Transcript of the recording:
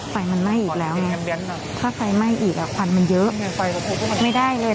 ไฟมันไหม้อีกแล้วถ้าไฟไหม้อีกอ่ะควันมันเยอะไม่ได้เลย